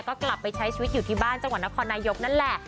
ก็กลับไปใช้ชีวิตอยู่ที่บ้านจังหวัดนครนายกนั่นแหละ